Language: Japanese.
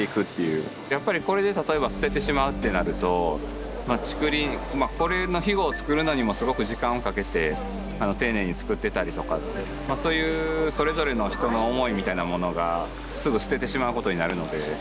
やっぱりこれで例えば捨ててしまうってなるとこれのヒゴを作るのにもすごく時間をかけて丁寧に作ってたりとかそういうそれぞれの人の思いみたいなものがすぐ捨ててしまうことになるので。